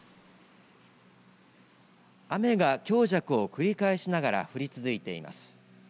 雨が強弱を繰り返しながら降り続いています。